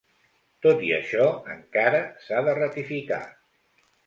Tot i això, encara s'ha de ratificar.